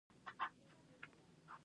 کاناډا د ماشومانو اداره لري.